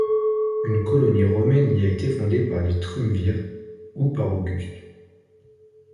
Une colonie romaine y a été fondée par des triumvirs ou par Auguste.